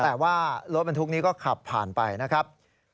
แต่ว่ารถบรรทุกนี้ก็ขับผ่านไปนะครับ